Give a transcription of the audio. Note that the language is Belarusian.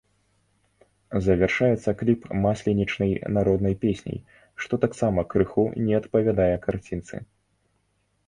Завяршаецца кліп масленічнай народнай песняй, што таксама крыху не адпавядае карцінцы.